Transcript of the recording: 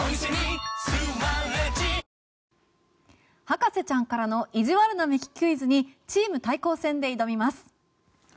博士ちゃんからの意地悪な目利きクイズにチーム対抗戦で挑みます。